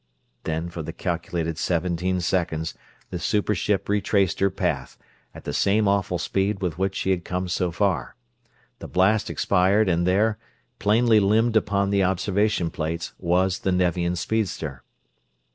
Then for the calculated seventeen seconds the super ship retraced her path, at the same awful speed with which she had come so far. The blast expired and there, plainly limned upon the observation plates, was the Nevian speedster.